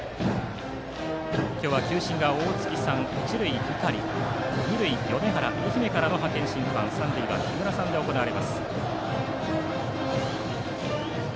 今日は球審が大槻さん一塁、井狩さん二塁、米原愛媛からの派遣審判そして三塁は木村さんで行われます。